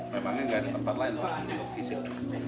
memangnya nggak ada tempat lain pak untuk fisik